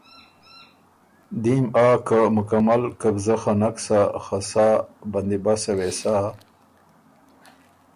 دیم آ که مکمل قبضۀ خه نک سَۀ خه سا بندیبسه وې سَۀ